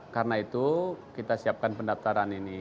karena itu kita siapkan pendaftaran ini